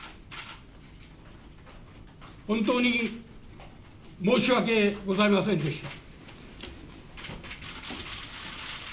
本当に申し訳ございませんでした。